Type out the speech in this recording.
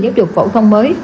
giáo dục phổ thông mới